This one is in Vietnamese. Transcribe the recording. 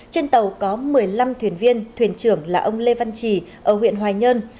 trên tàu có một mươi năm thuyền viên thuyền trưởng là ông lê văn trì ở huyện hoài nhơn